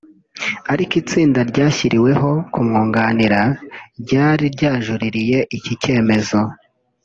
Ariko itsinda ryashyiriweho kumwunganira ryari ryajuririye iki cyemezo